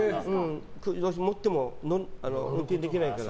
持ってても運転できないから。